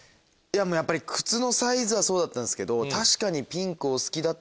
やっぱり靴のサイズはそうだったんですけど確かに。